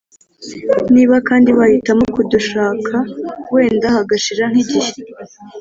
niba kandi wahitamo kudashaka wenda hagashira nk igihe